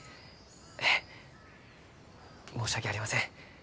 ええ申し訳ありません。